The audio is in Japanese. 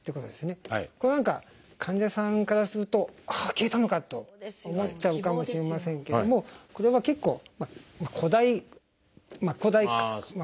これは何か患者さんからするとああ消えたのか！と思っちゃうかもしれませんけどもこれは結構誇大誇大広告ですかね。